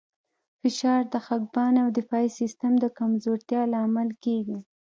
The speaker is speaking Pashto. فشار د خپګان او د دفاعي سیستم د کمزورتیا لامل کېږي.